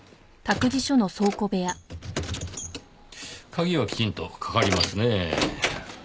鍵はきちんとかかりますねぇ。